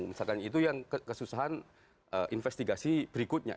misalkan itu yang kesusahan investigasi berikutnya